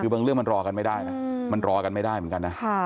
คือบางเรื่องมันรอกันไม่ได้นะมันรอกันไม่ได้เหมือนกันนะ